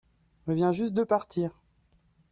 elle vient juste de partir.